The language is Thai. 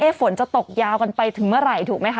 ฝนจะตกยาวกันไปถึงเมื่อไหร่ถูกไหมคะ